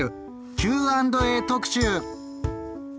「Ｑ＆Ａ特集」！